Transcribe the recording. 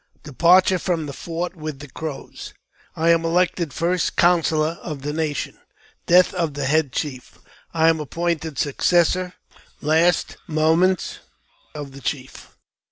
Departure from the Fort with the Crows— I am elected First C ounsello r of the Nation — Death of the head Chief — I am appointed Successor— Last Moments of the Chief.